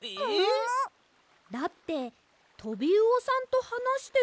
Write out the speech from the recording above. だってトビウオさんとはなしてるんですよね。